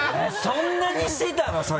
えっそんなにしてたの？